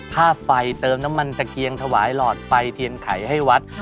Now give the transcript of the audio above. ค่าไฟเติมน้ำมันตะเกียงถวายหลอดไฟเทียนไขให้วัด